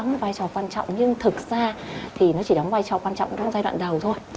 một vai trò quan trọng nhưng thực ra thì nó chỉ đóng vai trò quan trọng trong giai đoạn đầu thôi